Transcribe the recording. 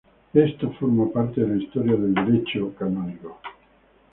Esto forma parte de la historia del Derecho canónico.